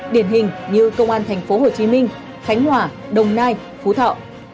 điển hình như công an tp hcm khánh hòa đồng nai phú thọ